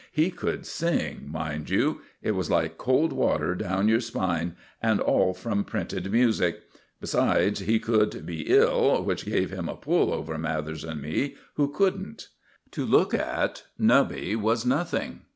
He could sing, mind you. It was like cold water down your spine, and all from printed music. Besides, he could be ill, which gave him a pull over Mathers and me, who couldn't. To look at, Nubby was nothing.